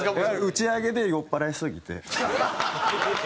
打ち上げで酔っ払いすぎて。